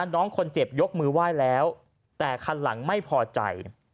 น้องคนเจ็บยกมือไหว้แล้วแต่คันหลังไม่พอใจ